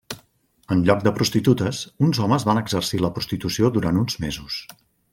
En lloc de prostitutes, uns homes van exercir la prostitució durant uns mesos.